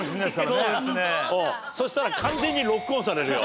そしたら完全にロックオンされるよ。